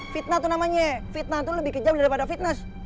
fitnah tuh namanya fitnah tuh lebih kejam daripada fitness